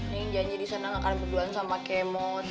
neng janji disana nggak ada kemot sama kemot